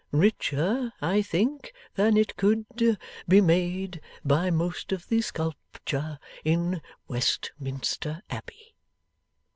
Richer, I think, than it could be made by most of the sculpture in Westminster Abbey!